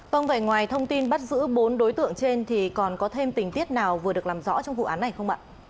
vâng vậy ngoài thông tin bắt giữ bốn đối tượng trên thì còn có thêm tình tiết nào vừa được làm rõ trong vụ án này không ạ